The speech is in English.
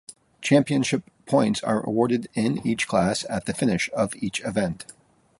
Championship points are awarded in each class at the finish of each event.